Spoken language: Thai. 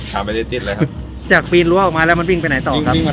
กำลังจะทิ้งอาบออกมาไปไหนต่อ